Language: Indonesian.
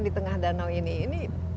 di tengah danau ini ini